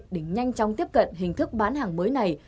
để nhanh chóng tiếp cận hình thức bán hàng mới này